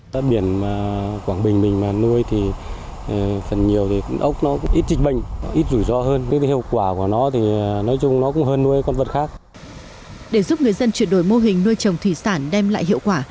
để giúp người dân chuyển đổi mô hình nuôi trồng thủy sản đem lại hiệu quả